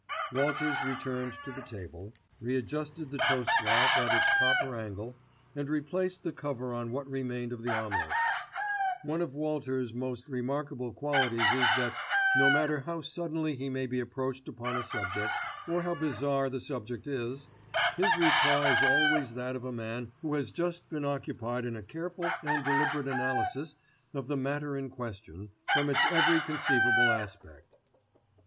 Walters returned to the table, readjusted the toast rack at its proper angle, and replaced the cover on what remained of the omelette. One of Walters' most remarkable qualities is that, no matter how suddenly he may be approached upon a subject, or how bizarre the subject itself, his reply is always that of a man who has just been occupied in a careful and deliberate analysis of the matter in question from its every conceivable aspect.